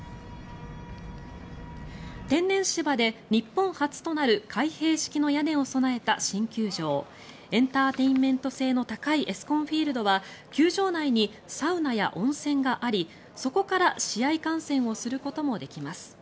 天然芝で、日本初となる開閉式の屋根を備えた新球場エンターテインメント性の高いＥＳＣＯＮＦＩＥＬＤは球場内にサウナや温泉がありそこから試合観戦をすることもできます。